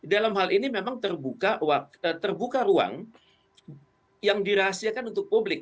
dalam hal ini memang terbuka ruang yang dirahasiakan untuk publik